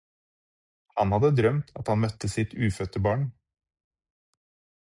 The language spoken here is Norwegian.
Han hadde drømt at han møtte sitt ufødte barn